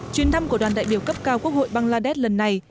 chuyến thăm của đoàn đại biểu cấp cao quốc hội bangladesh lần này